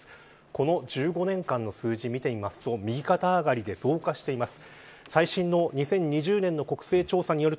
この１５年間の数字を見てみますと右肩上がりで増加しています。